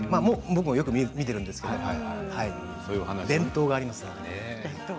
僕もよく見ているんですけど伝統がありますね。